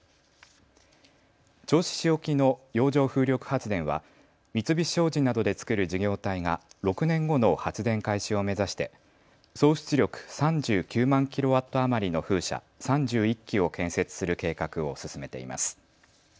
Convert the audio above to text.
銚子市沖の洋上風力発電は三菱商事などで作る事業体が６年後の発電開始を目指して総出力３９万キロワット余りの風車３１基を建設する計画を進めています。